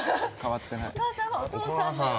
お母さんはお父さんの横。